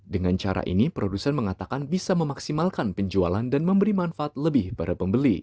dengan cara ini produsen mengatakan bisa memaksimalkan penjualan dan memberi manfaat lebih pada pembeli